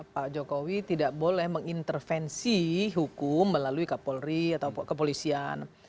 pak jokowi tidak boleh mengintervensi hukum melalui kapolri atau kepolisian